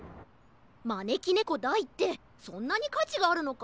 まねきねこ・大ってそんなにかちがあるのか？